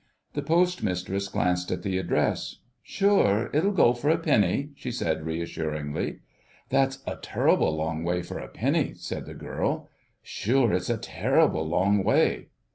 The Postmistress glanced at the address. "Sure, it'll go for a penny," she said reassuringly. "That's a terrible long way for a penny," said the girl. "Sure, it's a terrible long way."